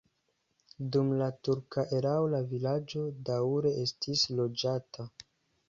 Dum la turka erao la vilaĝo daŭre estis loĝata.